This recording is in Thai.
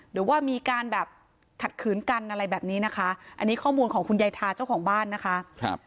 หรือว่ามีการแบบขัดขืนกันอะไรแบบนี้นะคะอันนี้ข้อมูลของคุณยายทาเจ้าของบ้านนะคะ